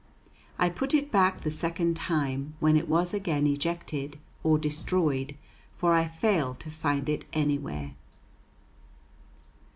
I put it back the second time, when it was again ejected, or destroyed, for I failed to find it anywhere.